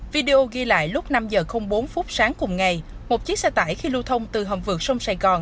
video ghi lại lúc năm h bốn sáng cùng ngày một chiếc xe tải khi lưu thông từ hầm vượt sông sài gòn